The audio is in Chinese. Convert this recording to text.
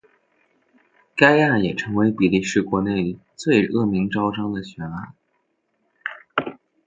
该案也成为比利时国内最恶名昭彰的悬案。